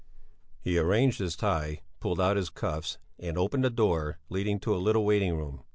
He arranged his tie, pulled out his cuffs and opened the door leading to a little waiting room.